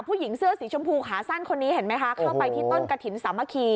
ผู้หญิงเสื้อสีชมพูขาสั้นคนนี้เห็นไหมคะเข้าไปที่ต้นกระถิ่นสามัคคี